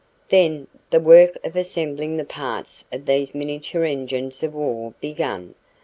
Then the work of assembling the parts of these miniature engines of war began.